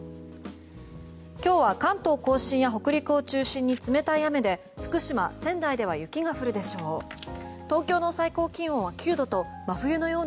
今日は関東・甲信や北陸を中心に冷たい雨で福島、仙台では雪が降るでしょう。